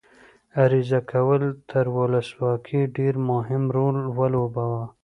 عریضه کول تر ولسواکۍ ډېر مهم رول ولوباوه.